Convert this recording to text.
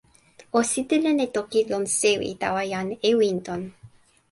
o sitelen e toki lon sewi tawa jan Ewinton.